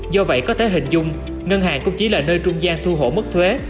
do vậy có thể hình dung ngân hàng cũng chỉ là nơi trung gian thu hổ mất thuế